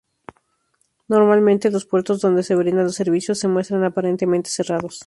Normalmente los puertos donde se brindan los servicios se muestran aparentemente cerrados.